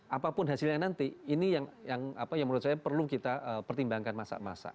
apapun hasilnya nanti ini yang menurut saya perlu kita pertimbangkan masa masa